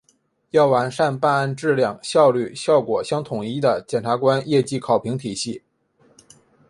要完善办案质量、效率、效果相统一的检察官业绩考评体系